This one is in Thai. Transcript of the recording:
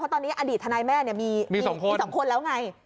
ตอนนี้อดีตทนายแม่มี๒คนแล้วไง